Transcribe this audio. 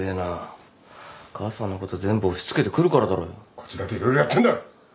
こっちだって色々やってんだ。